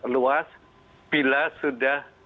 luas bila sudah